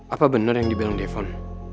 apa bener yang dibilang de fon